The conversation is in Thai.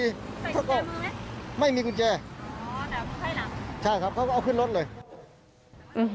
ใส่กุญแจมือไหมไม่มีกุญแจใช่ครับเขาก็เอาขึ้นรถเลยอ๋อดับให้หลัง